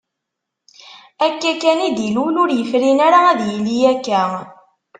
Akka kan i d-ilul, ur yefrin ara ad yili akka.